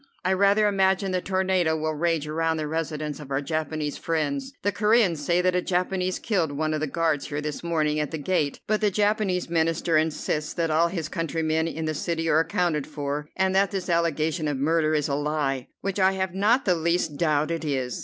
I rather imagine the tornado will rage around the residence of our Japanese friends. The Coreans say that a Japanese killed one of the guards here this morning at the gate, but the Japanese Minister insists that all of his countrymen in the city are accounted for, and that this allegation of murder is a lie, which I have not the least doubt it is.